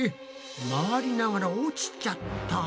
回りながら落ちちゃった！